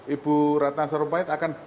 ibu ratna sarumpayat akan